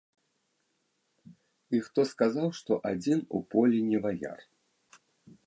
І хто сказаў, што адзін у полі не ваяр?